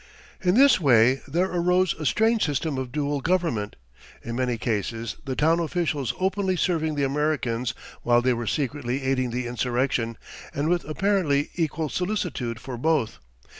In this way there arose a strange system of dual government, in many cases the town officials openly serving the Americans while they were secretly aiding the insurrection, and with apparently equal solicitude for both.